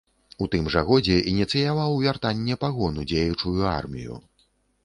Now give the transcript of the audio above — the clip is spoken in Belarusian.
У тым жа годзе ініцыяваў вяртанне пагон у дзеючую армію.